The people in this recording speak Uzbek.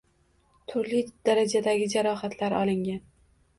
Turli darajadagi jarohatlar oligan